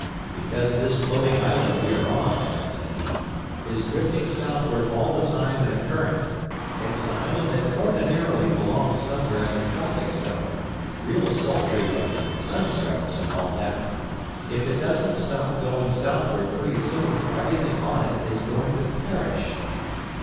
"Because this floating island we are on," said he, "is drifting southward all the time in a current. It's an island that ordinarily belongs somewhere in the tropic zone—real sultry weather, sunstrokes and all that. If it doesn't stop going southward pretty soon everything on it is going to perish."